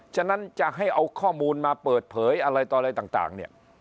ฉะนั้นจะให้เอาข้อมูลมาเปิดเผยอะไรต่ออะไรต่างเนี่ย